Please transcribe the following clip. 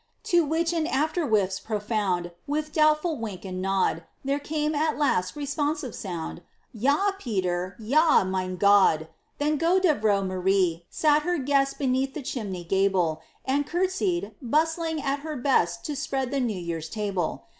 To which, and after whiffs profound, With doubtful wink and nod, There came at last responsive sound: "Yah, Peter; yah, Myn Gód!" Then goedevrouw Marie sat her guest Beneath the chimney gable, And courtesied, bustling at her best To spread the New Year's table.